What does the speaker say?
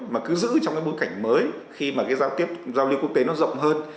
mà cứ giữ trong bối cảnh mới khi mà giao lưu quốc tế nó rộng hơn